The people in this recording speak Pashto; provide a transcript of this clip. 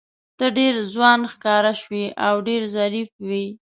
ته ډېر ځوان ښکاره شوې او ډېر ظریف وې.